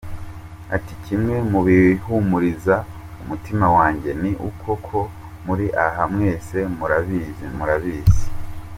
Ati “Kimwe mu bihumuriza umutima wanjye, ni uko uko muri aha mwese murabizi, Murabizi.